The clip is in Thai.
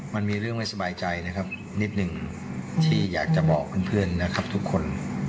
มันมีเรื่องไม่สบายใจนะครับนิดหนึ่งที่อยากจะบอกเพื่อนนะครับทุกคน